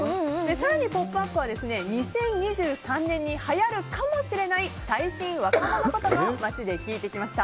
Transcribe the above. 更に、「ポップＵＰ！」は２０２３年にはやるかもしれない最新若者言葉を街で聞いてきました。